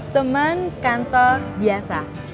temen kantor biasa